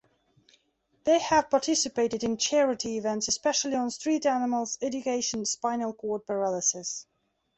They have participated in charity events especially on street animals, education, spinal cord paralysis.